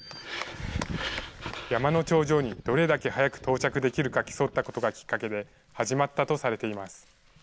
山の頂上にどれだけ早く到着できるか競ったことがきっかけで始まったとされています。